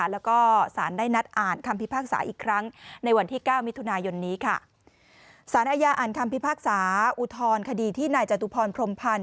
แล้วก็สารได้นัดอ่านคำพิพากษาอีกครั้งในวันที่เก้ามิถุนายนนี้ค่ะสารอาญาอ่านคำพิพากษาอุทธรณคดีที่นายจตุพรพรมพันธ